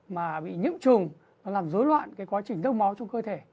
mà bị nhiễm trùng và làm dối loạn quá trình đông máu trong cơ thể